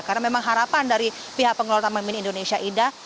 karena memang harapan dari pihak pengelola taman mini indonesia indah